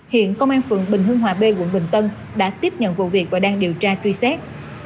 hiện công an phường bình hưng hòa b quận bình tân đã tiếp nhận vụ việc và đang điều tra truy xét